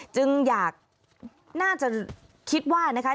จึงอยากน่าจะคิดว่านะคะ